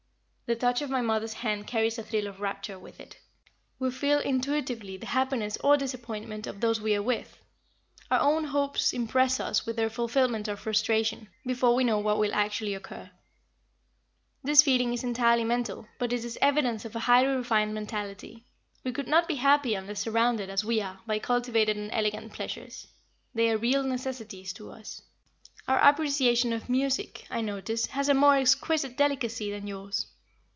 The touch of my mother's hand carries a thrill of rapture with it. "We feel, intuitively, the happiness or disappointment of those we are with. Our own hopes impress us with their fulfillment or frustration, before we know what will actually occur. This feeling is entirely mental, but it is evidence of a highly refined mentality. We could not be happy unless surrounded, as we are, by cultivated and elegant pleasures. They are real necessities to us. "Our appreciation of music, I notice, has a more exquisite delicacy than yours.